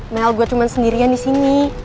mel gue cuman sendirian di sini